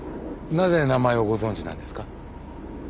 なぜ名前をご存じなんですか？